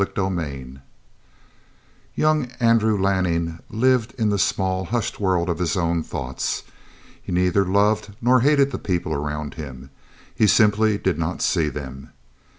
CHAPTER 2 Young Andrew Lanning lived in the small, hushed world of his own thoughts. He neither loved nor hated the people around him. He simply did not see them.